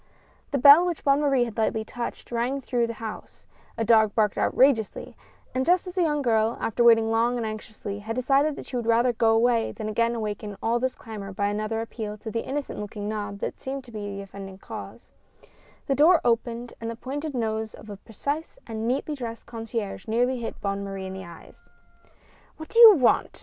The bell which Bonne Marie had lightly touched, rang through the house; a dog barked outrageously, and just as the young girl, after waiting long and anx iously, had decided that she would rather go away than again awaken all this clamor by another appeal to the innocent looking knob that seemed to be the offending cause, the door opened and the pointed nose of a precise and neatly dressed concierge nearly hit Bonne Marie in the eyes. "What do you want?"